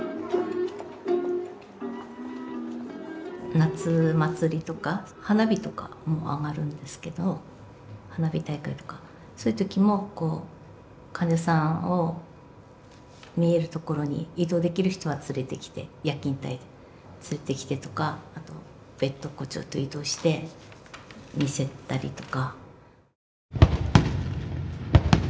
夏まつりとか花火とかも上がるんですけど花火大会とかそういう時もこう患者さんを見える所に移動できる人は連れてきて夜勤帯で連れてきてとかあとベッドをちょっと移動して見せたりとか。